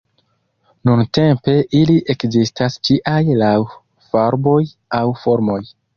Nuntempe ili ekzistas ĉiaj laŭ farboj aŭ formoj.